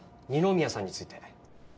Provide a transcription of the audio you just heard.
二宮さんについて。